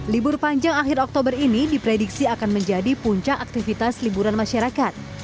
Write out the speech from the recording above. libur panjang akhir oktober ini diprediksi akan menjadi puncak aktivitas liburan masyarakat